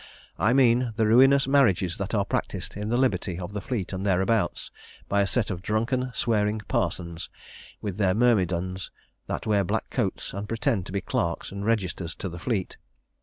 I mean the ruinous marriages that are practised in the liberty of the Fleet and thereabouts, by a set of drunken swearing parsons, with their myrmidons, that wear black coats, and pretend to be clerks and registers to the Fleet.